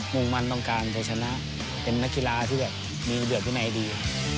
มุ่งมั่นต้องการจะชนะเป็นนักกีฬาที่มีเผื่อพิมพ์ได้ดี